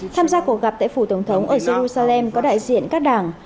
tham gia cuộc gặp tại phủ tổng thống ở jerusalem có đại diện các đảng